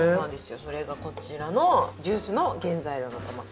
それがこちらのジュースの原材料のトマト。